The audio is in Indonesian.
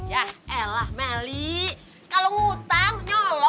yah eh lah meli kalo ngutang nyolong malu